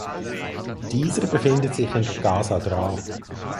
Dieser befindet sich in der Casa Dra.